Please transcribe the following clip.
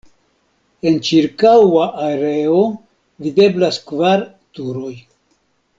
En ĉirkaŭa areo videblas kvar turoj.